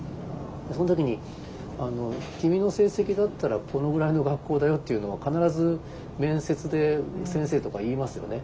その時に「君の成績だったらこのぐらいの学校だよ」っていうのは必ず面接で先生とか言いますよね。